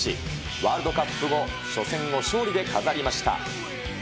ワールドカップ後、初戦を勝利で飾りました。